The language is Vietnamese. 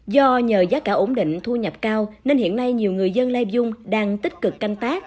do nhờ giá cả ổn định thu nhập cao nên hiện nay nhiều người dân lai dung đang tích cực canh tác